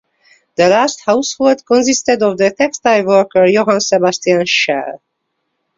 The last household consisted of the textile worker Johan Sebastian Schell?